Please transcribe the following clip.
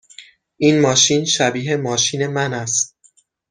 این ماشین شبیه ماشین من است.